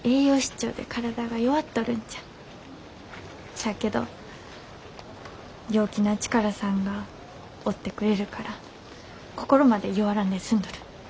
しゃあけど陽気な力さんがおってくれるから心まで弱らんで済んどる。